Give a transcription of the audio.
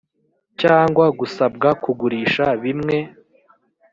cyangwa gusabwa kugurisha bimwe